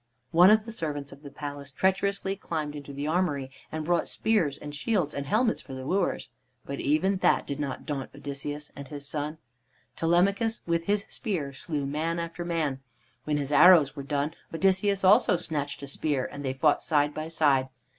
One of the servants of the palace treacherously climbed into the armory and brought spears and shields and helmets for the wooers. But even that did not daunt Odysseus and his son. Telemachus, with his spear, slew man after man. When his arrows were done Odysseus also snatched a spear, and they fought side by side.